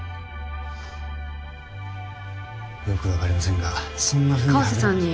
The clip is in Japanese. よくわかりませんがそんな風に。